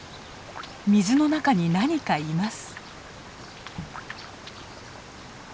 水の中に何かいます。